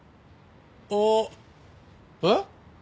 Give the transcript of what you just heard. あっえっ？